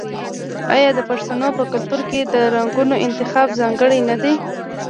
آیا د پښتنو په کلتور کې د رنګونو انتخاب ځانګړی نه دی؟